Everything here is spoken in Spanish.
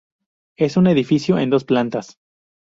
Es un edificio en dos plantas.